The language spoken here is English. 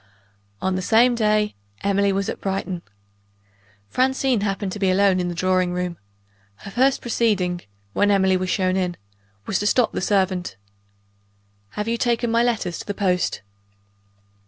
........ On the same day Emily was at Brighton. Francine happened to be alone in the drawing room. Her first proceeding, when Emily was shown in, was to stop the servant. "Have you taken my letter to the post?"